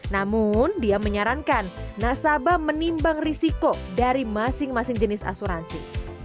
namun dia menyarankan nasabah menimbang risiko dari masing masing jenis asuransi